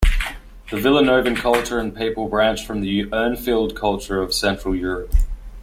The Villanovan culture and people branched from the Urnfield culture of Central Europe.